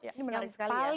ini menarik sekali ya